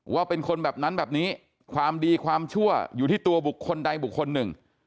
ว่าเป็นคนแบบนั้นแบบนี้ความดีความชั่วอยู่ที่ตัวบุคคลใดบุคคลหนึ่ง